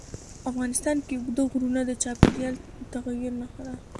افغانستان کې اوږده غرونه د چاپېریال د تغیر نښه ده.